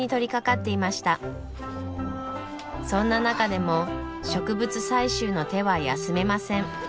そんな中でも植物採集の手は休めません。